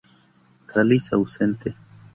Cáliz ausente.